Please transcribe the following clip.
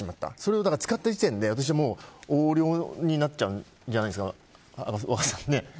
それを使った時点で横領になっちゃうんじゃないですか。